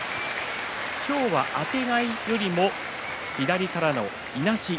今日は、あてがいよりも左からのいなし